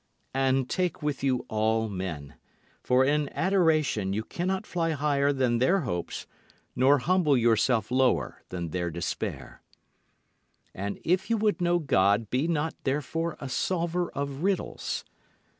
And take with you all men: For in adoration you cannot fly higher than their hopes nor humble yourself lower than their despair. And if you would know God be not therefore a solver of riddles.